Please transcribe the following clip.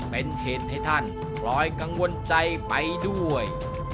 เป็นเหตุให้ท่านพลอยกังวลใจไปด้วย